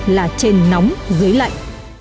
là trên nóng dưới lạnh